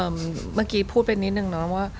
เมื่อกี้พูดไปนิดนึงเนาะว่า